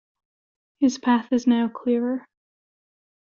His path is now clearer.